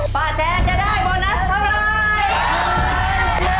ป่าแชร์จะได้โมนัสทำอะไร